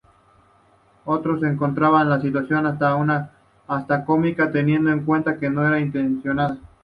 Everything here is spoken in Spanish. Otros, encontraban la situación hasta cómica teniendo en cuenta que no era intencionada.